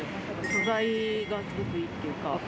素材がすごくいいというか。